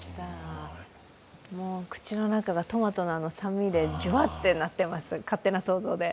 口の中がトマトの酸味でじゅわってなってます、勝手な想像で。